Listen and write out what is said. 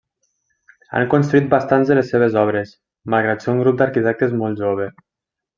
Han construït bastants de les seves obres, malgrat ser un grup d'arquitectes molt jove.